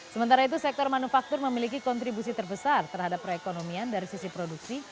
sementara itu sektor manufaktur memiliki kontribusi terbesar terhadap perekonomian dari sisi produksi